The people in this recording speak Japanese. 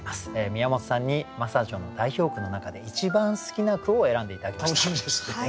宮本さんに真砂女の代表句の中で一番好きな句を選んで頂きました。